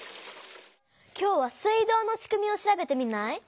今日は水道のしくみを調べてみない？